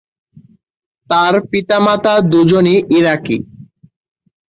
তার পিতা-মাতা দু’জনেই ইরাকি।